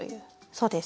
そうです。